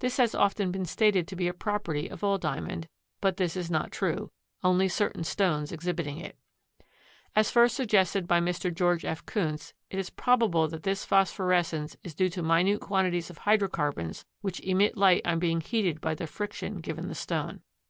This has often been stated to be a property of all Diamond, but this is not true, only certain stones exhibiting it. As first suggested by Mr. Geo. F. Kunz, it is probable that this phosphorescence is due to minute quantities of hydrocarbons which emit light on being heated by the friction given the stone.